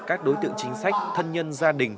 các đối tượng chính sách thân nhân gia đình